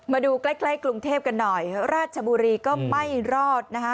มาดูใกล้ใกล้กรุงเทพกันหน่อยราชบุรีก็ไม่รอดนะคะ